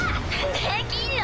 できんの？